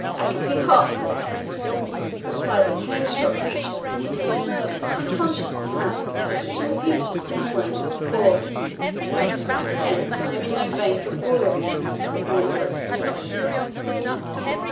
"ACCIPE HOC!" replied the panic struck creature, unconscious, perhaps, that he repeated the same words as before. "Hence, I am in no vein for foolery," said the Emperor.